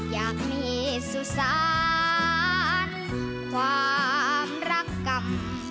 อยากมีสุสานความรักกรรม